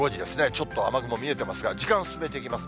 ちょっと雨雲見えてますが、時間進めていきます。